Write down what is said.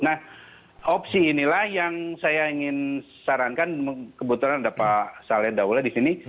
nah opsi inilah yang saya ingin sarankan kebetulan ada pak saleh daulah di sini